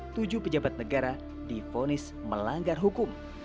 tujuh pejabat negara difonis melanggar hukum